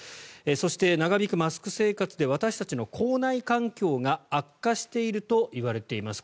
そして長引くマスク生活で私たちの口内環境が悪化しているといわれています。